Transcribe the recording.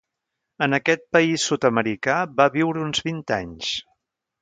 En aquest país sud-americà va viure uns vint anys.